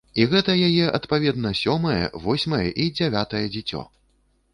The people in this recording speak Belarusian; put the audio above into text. І гэта яе, адпаведна, сёмае, восьмае і дзявятае дзіцё!